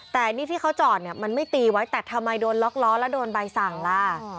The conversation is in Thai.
แต่นี่ที่เขาจอดเนี่ยมันไม่ตีไว้แต่ทำไมโดนล็อกล้อแล้วโดนใบสั่งล่ะ